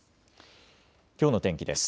きょうの天気です。